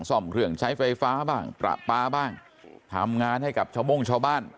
ซ่อมเครื่องใช้ไฟฟ้าบ้างประปาบ้างทำงานให้กับชาวโม่งชาวบ้าน